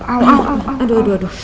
aduh aduh aduh